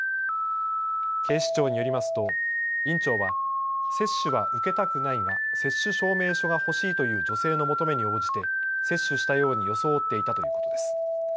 警視庁によりますと院長は接種は受けたくないが接種証明書が欲しいという女性の求めに応じて接種したように装っていたということです。